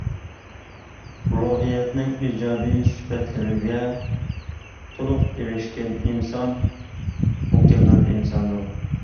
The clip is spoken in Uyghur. روھىيەتنىڭ ئىجابىي سۈپەتلىرىگە تولۇق ئېرىشكەن ئىنسان مۇكەممەل ئىنساندۇر.